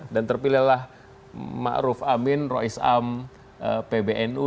dan terpilihlah ma'ruf amin rois am pbnu